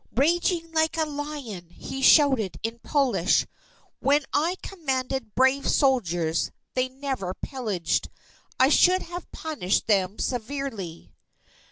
Raging like a lion, he shouted in Polish: "When I commanded brave soldiers, they never pillaged I should have punished them severely!